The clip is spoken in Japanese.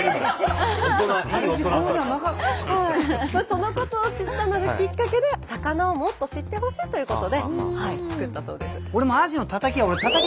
そのことを知ったのがきっかけで魚をもっと知ってほしいということで作ったそうです。